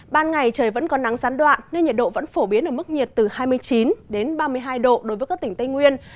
ban ngày trời vẫn có nắng gián đoạn nên nhiệt độ vẫn phổ biến ở mức nhiệt từ hai mươi chín đến ba mươi hai độ đối với các tỉnh tây nguyên